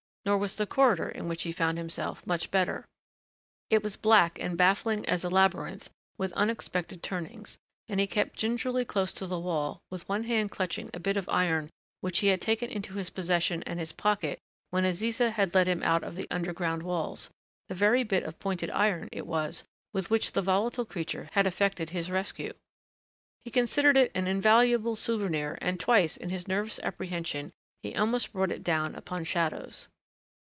Nor was the corridor in which he found himself much better. It was black and baffling as a labyrinth, with unexpected turnings, and he kept gingerly close to the wall with one hand clutching a bit of iron which he had taken into his possession and his pocket when Aziza had led him out of the underground walls the very bit of pointed iron, it was, with which the volatile creature had effected his rescue. He considered it an invaluable souvenir and twice, in his nervous apprehension, he almost brought it down upon shadows.